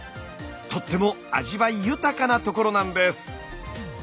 とっても味わい豊かなところなんです。